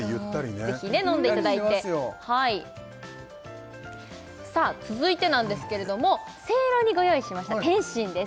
ぜひね飲んでいただいてさあ続いてなんですけれどもせいろにご用意しました点心です